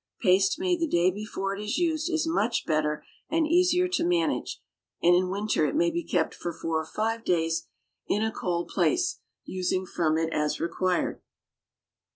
Paste made the day before it is used is much better and easier to manage, and in winter it may be kept for four or five days in a cold place, using from it as required.